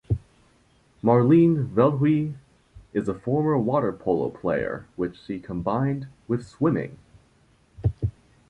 Marleen Veldhuis is a former water polo player which she combined with swimming.